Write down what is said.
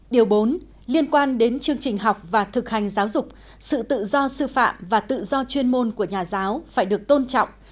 điều bốn liên quan đến chương trình học và thực hành giáo dục sự tự do sư phạm và tự do chuyên môn của nhà giáo phải được tôn trọng